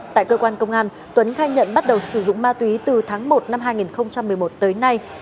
tại cơ quan công an tuấn khai nhận bắt đầu sử dụng ma túy từ tháng một năm hai nghìn một mươi một tới nay